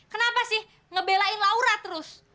kenapa sih ngebelain laura terus